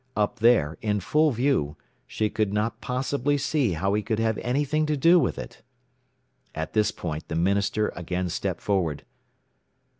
Up there, in full view, she could not possibly see how he could have anything to do with it. At this point the minister again stepped forward.